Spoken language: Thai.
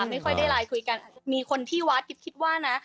ไม่ค่อยได้ไลน์คุยกันมีคนที่วัดกิ๊บคิดว่านะ